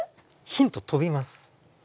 ヒント飛びます。